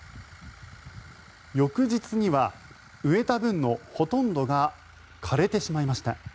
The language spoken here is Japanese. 翌日には植えた分のほとんどが枯れてしまいました。